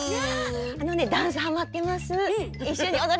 あのねダンスハマってます。